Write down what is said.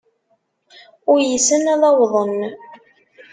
Uysen ad awḍen.